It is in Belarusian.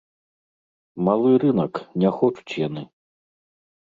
Малы рынак, не хочуць яны.